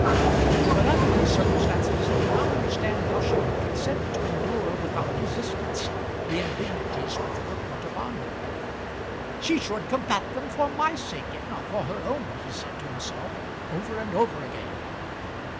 But under these circumstances he could not understand how she could consent to endure without resistance the indignities which were put upon her. "She should combat them for my sake, if not for her own," he said to himself over and over again.